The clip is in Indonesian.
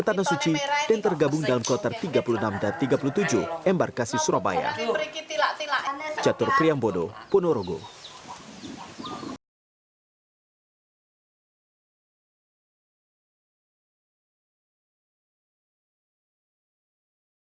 dari upah tersebut ia menyisikan rp tiga puluh